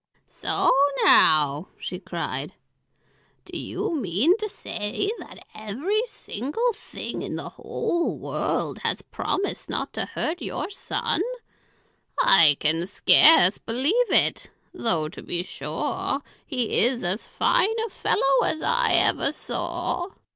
"So, now!" she cried. "Do you mean to say that every single thing in the whole world has promised not to hurt your son? I can scarce believe it; though, to be sure, he is as fine a fellow as I ever saw."